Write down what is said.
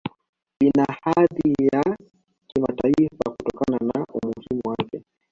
Ina hadhi ya Kimataifa kutokana na umuhimu wake